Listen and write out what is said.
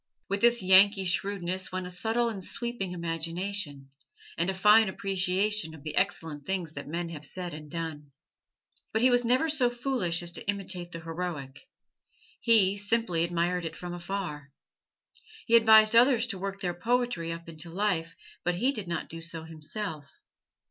With this Yankee shrewdness went a subtle and sweeping imagination, and a fine appreciation of the excellent things that men have said and done. But he was never so foolish as to imitate the heroic he, simply admired it from afar. He advised others to work their poetry up into life, but he did not do so himself.